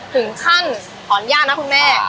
ถึงขั้นอรรยานะคุณแม่